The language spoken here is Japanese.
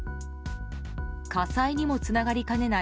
火災にもつながりかねない